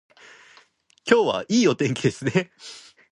今日はいいお天気ですね